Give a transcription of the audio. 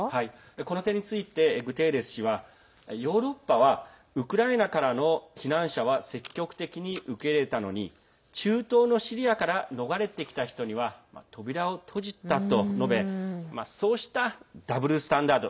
この点についてグテーレス氏はヨーロッパはウクライナからの避難者は積極的に受け入れたのに中東のシリアから逃れてきた人には扉を閉じたと述べそうしたダブルスタンダード